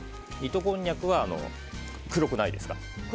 こんにゃくは黒くないですか。